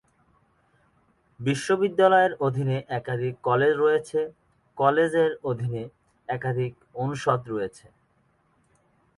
বিশ্ববিদ্যালয়ের অধীনে একাধিক কলেজ রয়েছে কলেজ এর অধীনে একাধিক অনুষদ রয়েছে।